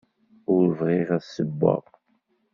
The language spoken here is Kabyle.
Ur bɣiɣ ad ssewweɣ.